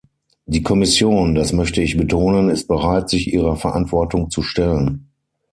Die Kommission, das möchte ich betonen, ist bereit, sich ihrer Verantwortung zu stellen.